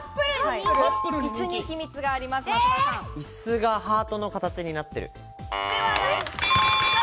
椅子がハートの形になってる。